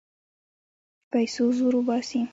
پیسو زور وباسي.